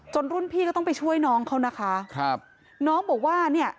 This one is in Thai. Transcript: รุ่นพี่ก็ต้องไปช่วยน้องเขานะคะครับน้องบอกว่าเนี่ย